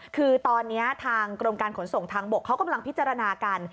คือตอนนี้ทางกรมการขนส่งทางบกเขากำลังพิจารณากัน